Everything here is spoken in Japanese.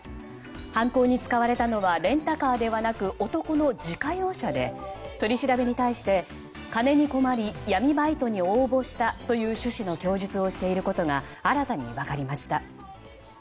犯行に使われたのはレンタカーではなく男の自家用車で取り調べに対して、金に困り闇バイトに応募したという趣旨の供述をしていることが新たに分かりました。